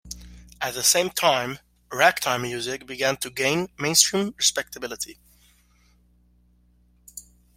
At the same time, ragtime music began to gain mainstream respectability.